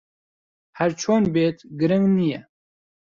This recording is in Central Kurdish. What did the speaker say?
ھەر چۆن بێت، گرنگ نییە.